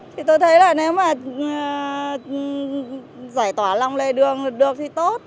thì tôi thấy là nếu mà giải tỏa lòng lề đường được thì tốt